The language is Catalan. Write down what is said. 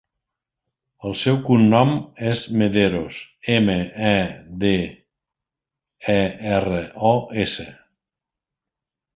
El seu cognom és Mederos: ema, e, de, e, erra, o, essa.